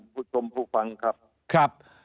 คุณตมภูมิฟังครับ